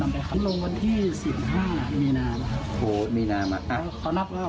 นำไปขันลงวันที่สี่สิบห้ามีนามาโหมีนามาอ่ะเขานับแล้ว